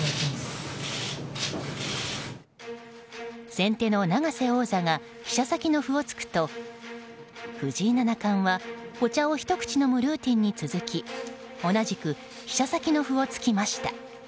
先手の永瀬王座が飛車先の歩を突くと藤井七冠はお茶をひと口飲むルーティンに続き同じく飛車先の歩を突きました。